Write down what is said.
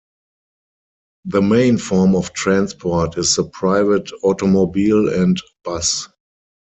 The main form of transport is the private automobile and bus.